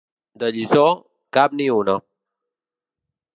De lliçó, cap ni una.